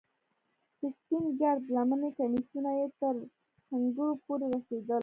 چې سپين گرد لمني کميسونه يې تر ښنگرو پورې رسېدل.